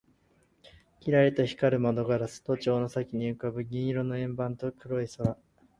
キラリと光る窓ガラス、都庁の先に浮ぶ銀色の円盤と黒い空